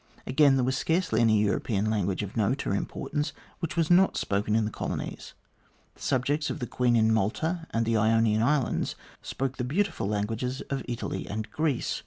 Again, there was scarcely any European language of note or importance which was not spoken in the colonies. The subjects of the Queen in Malta and the Ionian Islands spoke the beautiful languages of Italy and Greece.